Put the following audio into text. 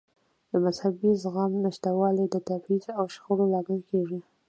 د مذهبي زغم نشتوالی د تبعیض او شخړو لامل کېږي.